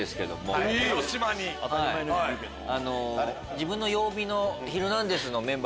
自分の曜日の。